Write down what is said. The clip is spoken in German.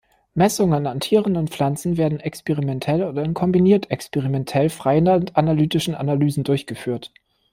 Messungen an Tieren und Pflanzen werden experimentell oder in kombiniert experimentell-freilandanalytischen Analysen durchgeführt.